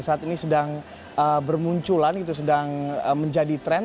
saat ini sedang bermunculan itu sedang menjadi tren